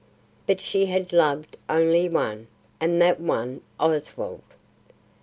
But she had loved only one, and that one, Oswald.